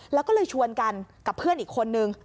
แล้วก็เลยชวนกันกับเพื่อนอีกคนนึง